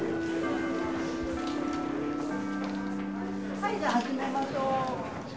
はいじゃあ始めましょう。